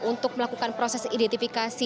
untuk melakukan proses identifikasi